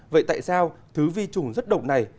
vậy tại sao thứ vi trùng rất độc này